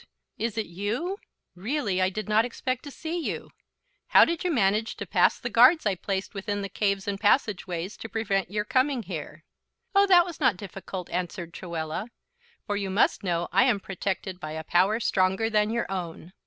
Is it you? Really, I did not expect to see you. How did you manage to pass the guards I placed within the caves and passageways to prevent your coming here?" "Oh, that was not difficult," answered Truella, "for you must know I am protected by a power stronger than your own."